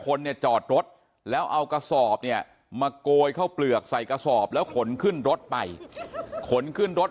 คนเนี่ยจอดรถแล้วเอากระสอบเนี่ยมาโกยเข้าเปลือกใส่กระสอบแล้วขนขึ้นรถไปขนขึ้นรถ